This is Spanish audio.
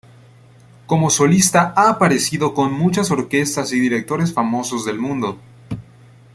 Como solista ha aparecido con muchas orquestas y directores famosos del mundo.